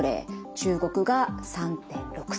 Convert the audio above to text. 中国が３．６３例。